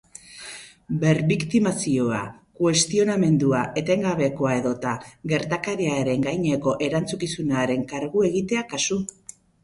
Berbiktimizazioa, kuestionamendu etengabekoa edota gertakariaren gaineko erantzukizunaren kargu egitea kasu.